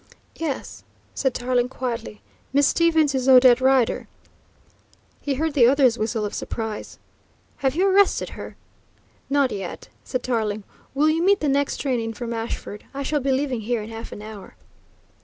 "Yes," said Tarling quietly. "Miss Stevens is Odette Rider." He heard the other's whistle of surprise. "Have you arrested her?" "Not yet," said Tarling. "Will you meet the next train in from Ashford? I shall be leaving here in half an hour."